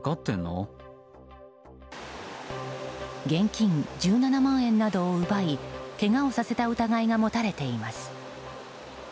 現金１７万円などを奪いけがをさせた疑いが持たれています。